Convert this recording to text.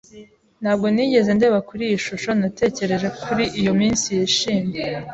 Ntabwo nigeze ndeba kuri iyi shusho ntatekereje kuri iyo minsi yishimye.